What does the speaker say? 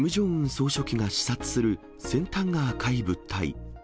総書記が視察する先端が赤い物体。